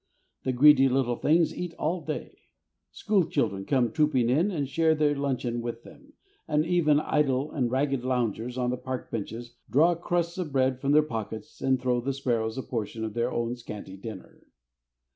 The greedy little things eat all day. School children come trooping in, and share their luncheon with them, and even idle and ragged loungers on the park benches draw crusts of bread from their pockets, and throw the sparrows a portion of their own scanty dinner.